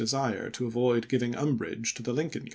con desire to avoid giving umbrage to the Lincoln ixcSves.